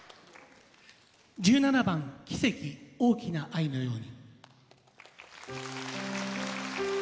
１７番「奇跡大きな愛のように」。